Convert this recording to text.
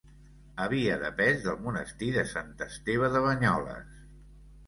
Havia depès del Monestir de Sant Esteve de Banyoles.